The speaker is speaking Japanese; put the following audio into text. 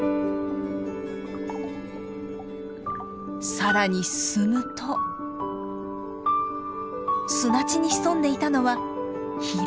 さらに進むと砂地に潜んでいたのはヒラメ。